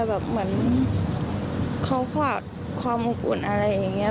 แบบเหมือนเขาขาดความอบอุ่นอะไรอย่างนี้